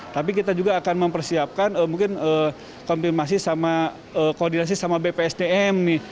tapi kita juga akan mempersiapkan mungkin koordinasi sama bpsdm